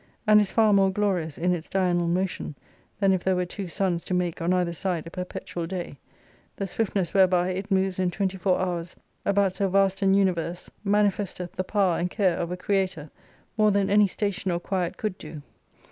And is far more glorious in its diurnal motion, than if there were two suns to make on either side a perpetual day : the swiftness whereby it moves in twenty four hours about so vast an universe manifesteth the power and care of a Creator, more than any station or quiet could do.